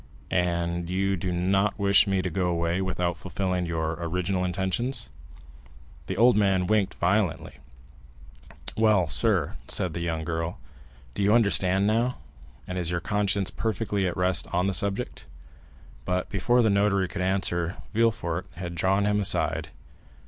"And you do not wish me to go away without fulfilling your original intentions?" The old man winked violently. "Well, sir," said the young girl, "do you understand now, and is your conscience perfectly at rest on the subject?" But before the notary could answer, Villefort had drawn him aside.